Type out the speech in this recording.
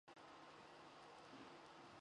加封太子少保。